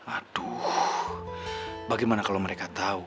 aduh bagaimana kalau mereka tahu